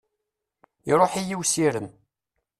Iruḥ-iyi usirem.